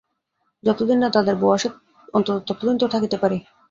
যতদিন না দাদার বউ আসে অন্তত ততদিন তো থাকিতে পারি।